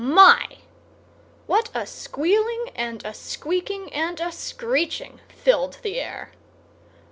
My! What a squealing and a squeaking and a screeching filled the air!